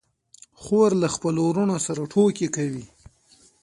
خور له خپلو وروڼو سره ټوکې کوي.